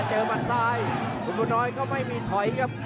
เจอมันซ้ายคนละดอกก็ไม่มีถอยครับ